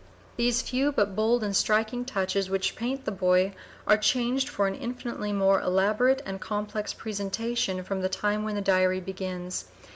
These few but bold and striking touches which paint the boy are changed for an infinitely more elaborate and complex presentation from the time when the Diary begins.